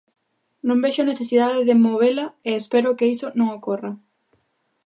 Non vexo a necesidade de movela e espero que iso non ocorra.